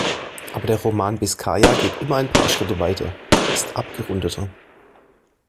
Aber der Roman "Biskaya" geht immer ein paar Schritte weiter, ist abgerundeter.